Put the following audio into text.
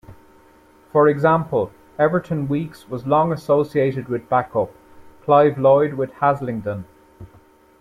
For example, Everton Weekes was long associated with Bacup; Clive Lloyd with Haslingden.